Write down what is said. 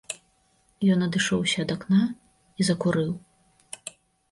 Ён адышоўся ад акна і закурыў.